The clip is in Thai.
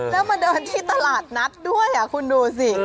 แล้วมาเดินที่ตลาดนัดด้วยคุณดูสิ